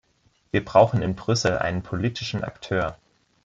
Wir brauchen in Brüssel einen politischen Akteur.